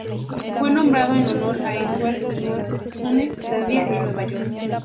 Fue nombrado en honor a Edward Livingston, un estadista de Nueva York.